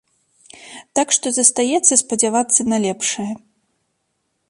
Так што застаецца спадзявацца на лепшае.